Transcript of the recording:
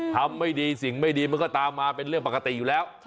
ไม่ดีสิ่งไม่ดีมันก็ตามมาเป็นเรื่องปกติอยู่แล้ว